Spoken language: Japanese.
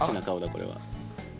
これは。